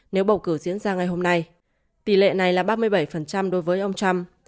nếu bầu cử diễn ra ngày hôm nay tỷ lệ này là ba mươi bảy đối với ông trump